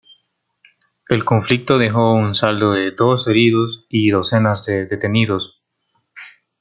El conflicto dejó un saldo de dos heridos y docenas de detenidos.